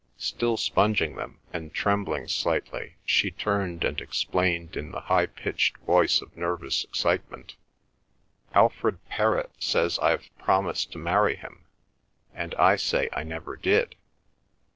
Still sponging them and trembling slightly she turned and explained in the high pitched voice of nervous excitement: "Alfred Perrott says I've promised to marry him, and I say I never did.